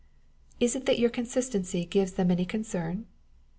Is it that your consistency gives them any concern